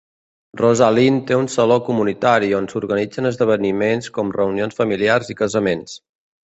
Rosalind té un saló comunitari on s'organitzen esdeveniments com reunions familiars i casaments.